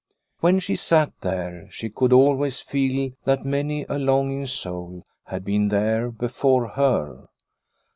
When she sat here she could always feel that many a longing soul had been there before her.